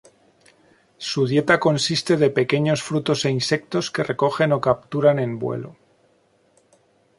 Su dieta consiste de pequeños frutos e insectos que recogen o capturan en vuelo.